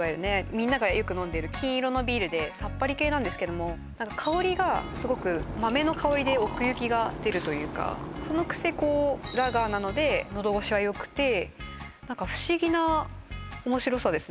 みんながよく飲んでる金色のビールでさっぱり系なんですけども何か香りがすごく豆の香りで奥行きが出るというかそのくせこうラガーなのでのどごしはよくて何か不思議な面白さですね